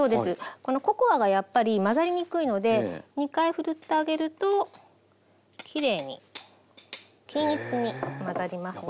このココアがやっぱり混ざりにくいので２回ふるってあげるときれいに均一に混ざりますね。